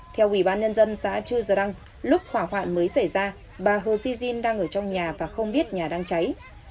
theo ubnd xá chư giờ đăng lúc khỏa hoạn mới xảy ra bà hizadin đang ở trong nhà và không biết nhà đang cháy